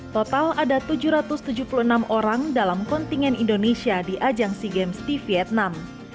total ada tujuh ratus tujuh puluh enam orang dalam kontingen indonesia di ajang sea games di vietnam